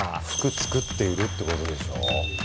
服作って売るってことでしょ？